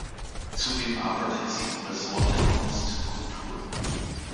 Zudem arbeitet sie im Ressort Kunst, Kultur.